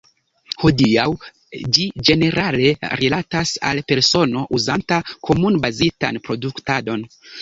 Hodiaŭ ĝi ĝenerale rilatas al persono uzanta komun-bazitan produktadon.